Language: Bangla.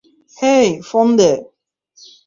Hey, phone they.